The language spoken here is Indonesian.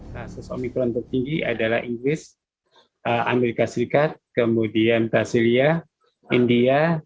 kasus omikron tertinggi adalah inggris amerika serikat kemudian brasilia india